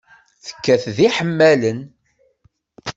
Tekkat d iḥemmalen.